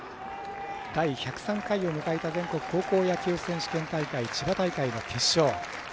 第１０３回を迎えた全国高校野球選手権大会千葉大会の決勝。